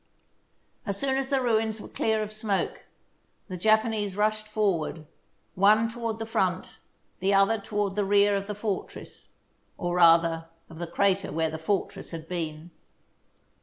As soon as the ruins were clear of smoke, the Japanese rushed forward, one toward the front, the other toward the rear of the fortress, or, rather, of the crater where the fortress had been.